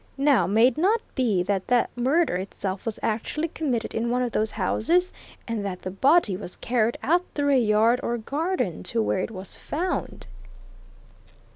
Now, may it not be that the murder itself was actually committed in one of those houses, and that the body was carried out through a yard or garden to where it was found?"